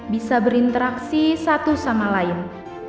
bisa berinteraksi satu sama lain